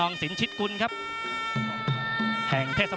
นักมวยจอมคำหวังเว่เลยนะครับ